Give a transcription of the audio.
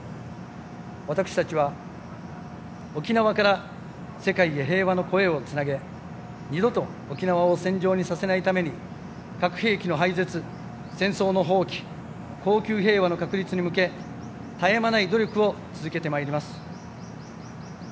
私たちは沖縄から世界へ平和の声をつなげ二度と沖縄を戦場にさせないために核兵器の廃絶、戦争の放棄恒久平和の確立に向け絶え間ない努力を続けてまいります。